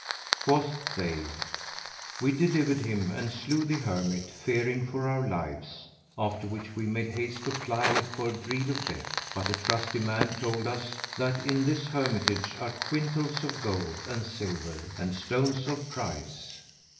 Quoth they, "We delivered him and slew the hermit, fearing for our lives; after which we made haste to fly for dread of death; but a trusty man told us that in this hermitage are quintals of gold and silver and stones of price."